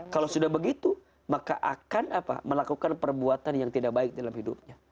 kalau sudah begitu maka akan melakukan perbuatan yang tidak baik dalam hidupnya